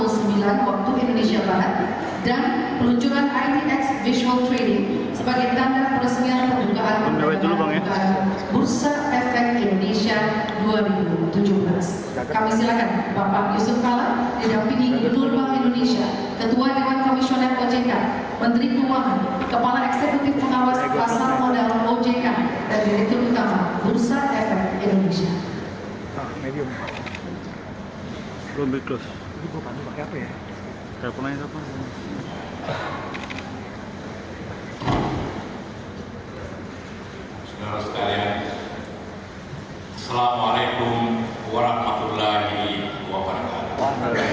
saudara saudara sekalian assalamu'alaikum warahmatullahi wabarakatuh